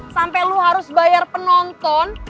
sampai lu harus bayar penonton